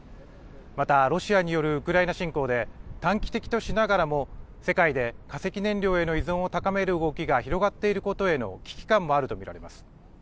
また、ロシアによるウクライナ侵攻で、短期的としながらも世界で化石燃料への依存を高める動きが広がっていることへの危機感もあると見られます。